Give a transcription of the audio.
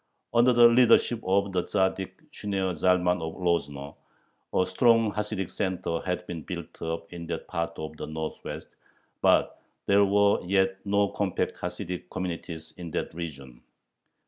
Under the leadership of the Tzaddik Shneor Zalman of Lozno, a strong Hasidic center had been built up in that part of the Northwest, but there were yet no compact Hasidic communities in that region.